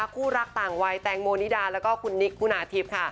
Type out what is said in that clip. คู่รักต่างวัยแตงโมนิดาและคุณนิกคุณอาทิบ